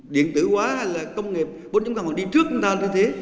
điện tử hóa hay là công nghiệp bốn còn đi trước chúng ta như thế